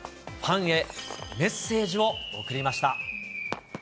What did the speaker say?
ファンへ、メッセージを送りました。